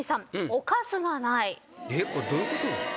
これどういうことですか？